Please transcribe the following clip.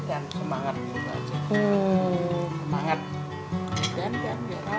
dan semangat juga aja